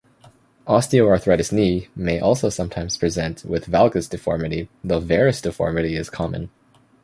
Osteoarthritis knee may also sometimes present with valgus deformity though varus deformity is common.